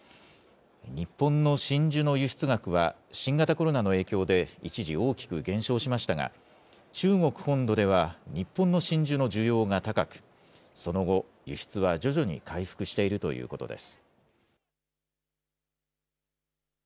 日本の真珠の輸出額は、新型コロナの影響で、一時大きく減少しましたが、中国本土では、日本の真珠の需要が高く、その後、輸出は徐々に回復しているということです。